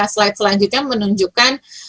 slide selanjutnya menunjukkan